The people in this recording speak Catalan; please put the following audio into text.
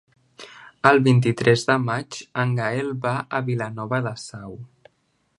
El vint-i-tres de maig en Gaël va a Vilanova de Sau.